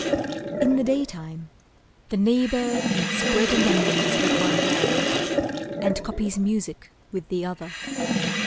In the daytime, The neighbour eats bread and onions with one hand And copies music with the other.